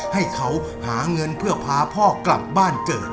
ให้เขาหาเงินเพื่อพาพ่อกลับบ้านเกิด